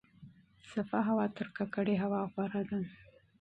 پاکه هوا تر ککړې هوا غوره ده.